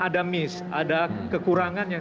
ada miss ada kekurangan yang